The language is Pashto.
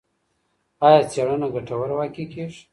ایا څېړنه ګټوره واقع کېږي؟